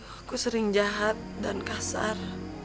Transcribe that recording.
aku sering jahat dan kasar